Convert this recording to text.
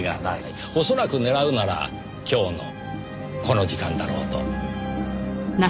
恐らく狙うなら今日のこの時間だろうと。